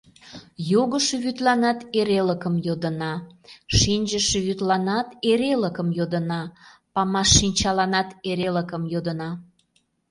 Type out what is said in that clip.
Йогышо вӱдланат эрелыкым йодына, шинчыше вӱдланат эрелыкым йодына, памашшинчаланат эрелыкым йодына.